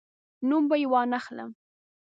نوم به یې وانخلم.